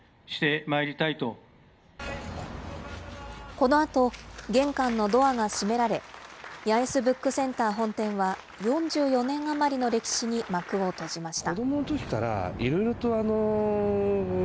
このあと、玄関のドアが閉められ、八重洲ブックセンター本店は、４４年余りの歴史に幕を閉じました。